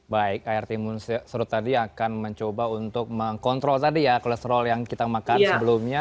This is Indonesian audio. baik air timun serut tadi akan mencoba untuk mengkontrol tadi ya kolesterol yang kita makan sebelumnya